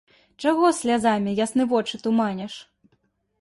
Чаго слязамі ясны вочы туманіш?